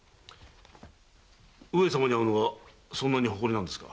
上様に会うのがそんなに誇りなのですか？